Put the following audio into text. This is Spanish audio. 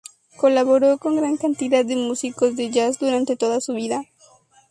Colaboró con gran cantidad de músicos de jazz durante toda su vida.